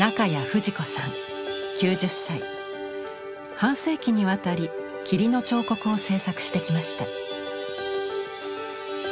半世紀にわたり「霧の彫刻」を制作してきました。